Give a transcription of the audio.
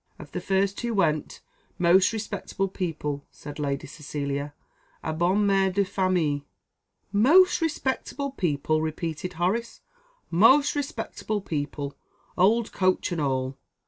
Of the first who went "Most respectable people," said Lady Cecilia; "a bonne mère de famille." "Most respectable people!" repeated Horace "most respectable people, old coach and all."